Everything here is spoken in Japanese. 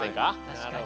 確かに。